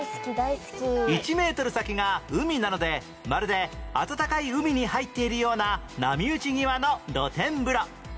１メートル先が海なのでまるで暖かい海に入っているような波打ち際の露天風呂